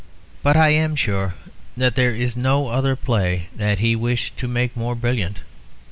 But I am sure that there is no other play that he wished to make more brilliant.